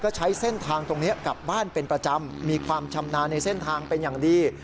ก็ใช้เส้นทางตรงนี้กลับบ้านเป็นประจำมีความชำนาญในเส้นทางเป็นอย่างดี